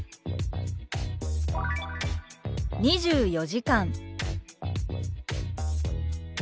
「２４時間」。